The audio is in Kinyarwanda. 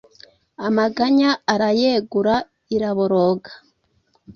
amaganya arayegura iraboroga